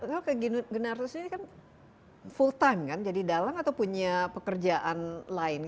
kau ke generasi ini kan full time kan jadi dalang atau punya pekerjaan lain